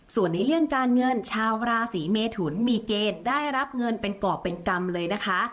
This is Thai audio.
ส่วนในเรื่องการเงินชาวราศีเมทุนมีเกณฑ์ได้รับเงินเป็นกรอบเป็นกรรมเลยนะคะ